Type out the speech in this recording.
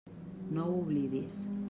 No ho oblidis.